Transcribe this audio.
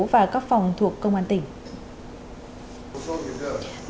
và các phòng thuộc công an tỉnh